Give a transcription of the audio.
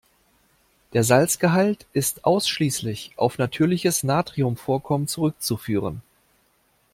Der Salzgehalt ist ausschließlich auf natürliches Natriumvorkommen zurückzuführen.